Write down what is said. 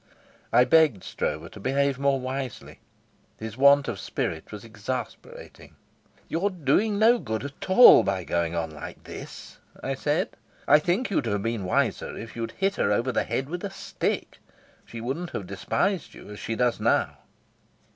I begged Stroeve to behave more wisely. His want of spirit was exasperating. "You're doing no good at all by going on like this," I said. "I think you'd have been wiser if you'd hit her over the head with a stick. She wouldn't have despised you as she does now."